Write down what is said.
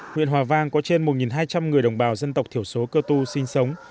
huyện hòa vang có trên một hai trăm linh người đồng bào dân tộc thiểu số cơ tu sinh sống